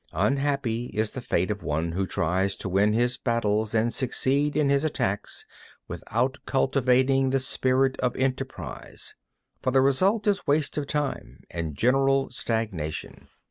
15. Unhappy is the fate of one who tries to win his battles and succeed in his attacks without cultivating the spirit of enterprise; for the result is waste of time and general stagnation.